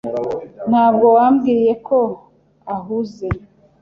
Ntabwo wambwiye ko ahuze.